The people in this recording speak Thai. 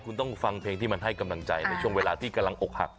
คุณต้องฟังเพลงที่มันให้กำลังใจในช่วงเวลาที่กำลังอกหัก